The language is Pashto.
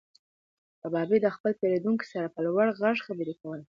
کبابي د خپل پیرودونکي سره په لوړ غږ خبرې کولې.